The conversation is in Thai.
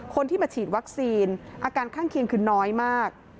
คนที่มาฉีดวัคซีนอาการข้างเคียงคือน้อยมาก